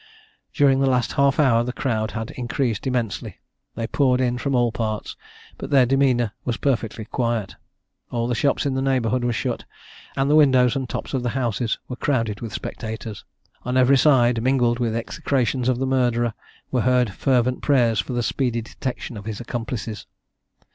During the last half hour the crowd had increased immensely they poured in from all parts, but their demeanour was perfectly quiet. All the shops in the neighbourhood were shut, and the windows and tops of the houses were crowded with spectators. On every side, mingled with execrations of the murderer, were heard fervent prayers for the speedy detection of his accomplices.